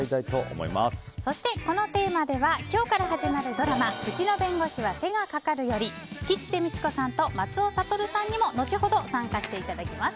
このサミットには今日から始まるドラマ「うちの弁護士は手がかかる」より吉瀬美智子さんと松尾諭さんにも後ほど参加してもらいます。